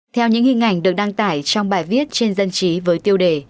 theo những hình ảnh được đăng tải trong bài viết trên dân trí với tiêu đề